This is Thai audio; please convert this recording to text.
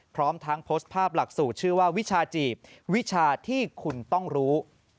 พร้อมทั้งโพสต์ภาพหลักสูตรชื่อว่าวิชาจีบวิชาที่คุณต้องรู้